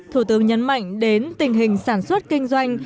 thủ tướng nhấn mạnh đến tình hình sản xuất kinh doanh